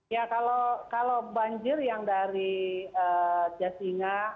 ya kalau banjir yang dari jasinga